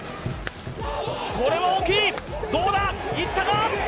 これは大きいどうだいったか？